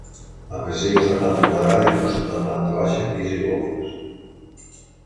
La masia és de planta quadrada, i consta de planta baixa, pis i golfes.